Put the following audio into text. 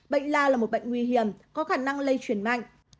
bệnh la là một bệnh nguy hiểm có khả năng lây chuyển mạnh